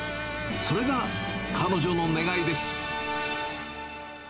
それが彼女の願いです。